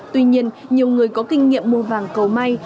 tuy nhiên nhiều người có kinh nghiệm mua vàng cầu may